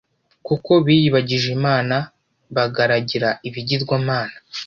kuko biyibagije imana, bagaragira ibigirwamana